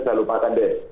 saya lupakan deh